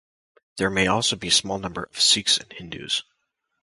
There may also be small number of Sikhs and Hindus.